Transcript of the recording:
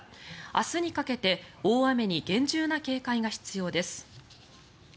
明日にかけて大雨に厳重な警戒が必要です。